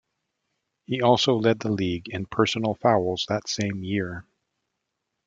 He also led the league in personal fouls that same year.